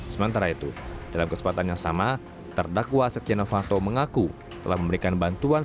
sementara itu dalam kesempatan yang sama terdakwa setia novanto mengaku telah memberikan bantuan